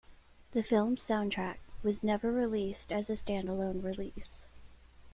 The film's soundtrack was never released as a stand-alone release.